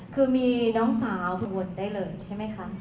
คือมีน้องสาวคุณวนได้เลยใช่ไหมคะ